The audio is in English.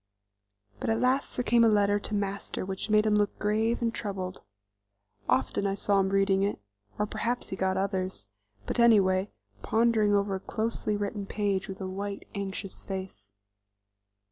But at last there came a letter to Master which made him look grave and troubled. Often I saw him reading it, or perhaps he got others, but anyway pondering over a closely written page with a white, anxious face.